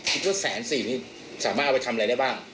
ว่าแสนสี่นี่สามารถเอาไปทำอะไรได้บ้าง